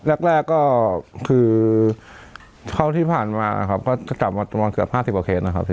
แรกแรกก็คือเท่าที่ผ่านมานะครับก็จะจำมาตรงวันเกือบห้าสิบกว่าเคสนะครับ